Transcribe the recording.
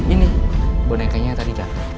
ini bonekanya yang tadi jatuh